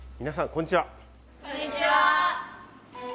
こんにちは。